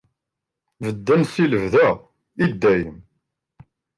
Bedden si lebda, i dayem.